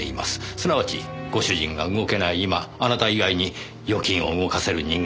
すなわちご主人が動けない今あなた以外に預金を動かせる人間はいない。